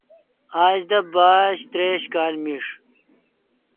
آج دا باش تریش کال میݭ